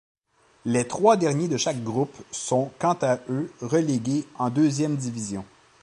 Les trois derniers de chaque groupe sont quant à eux relégués en deuxième division.